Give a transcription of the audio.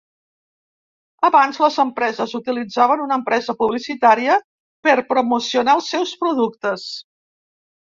Abans, les empreses utilitzaven una empresa publicitària per promocionar els seus productes.